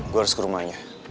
gue harus ke rumahnya